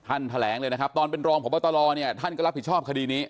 แถลงเลยนะครับตอนเป็นรองพบตรเนี่ยท่านก็รับผิดชอบคดีนี้